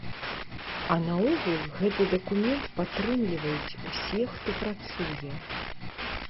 А наогул гэты дакумент падтрымліваюць усе, хто працуе.